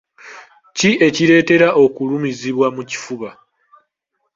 Ki ekireetera okulumizibwa mu kifuba?